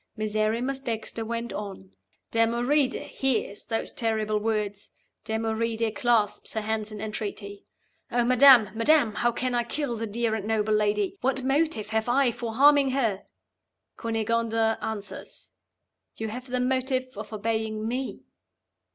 Miserrimus Dexter went on: "Damoride hears those terrible words; Damoride clasps her hands in entreaty. 'Oh, madam! madam! how can I kill the dear and noble lady? What motive have I for harming her?' Cunegonda answers, 'You have the motive of obeying Me.